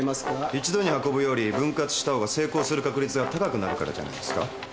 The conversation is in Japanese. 一度に運ぶより分割したほうが成功する確率が高くなるからじゃないですか。